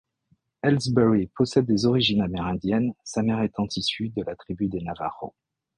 Ellsbury possède des origines amérindiennes, sa mère étant issue de la tribu Navajo.